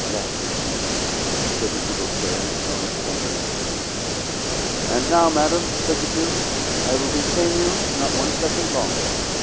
"'Noblesse oblige'?" said M. Beaucaire in a tone of gentle inquiry. "And now, madam," said the Duke, "I will detain you not one second longer.